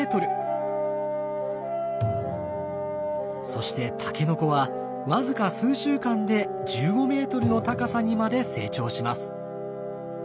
そしてタケノコは僅か数週間で１５メートルの高さにまで成長します。